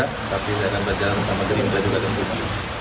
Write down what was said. tapi saya akan baca sama gerindra juga tentu